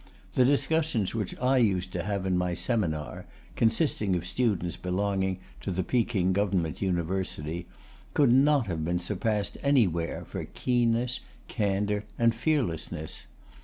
The discussions which I used to have in my seminar (consisting of students belonging to the Peking Government University) could not have been surpassed anywhere for keenness, candour, and fearlessness.